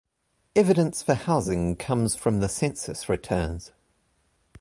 Evidence for housing comes from the census returns.